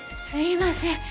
すいません。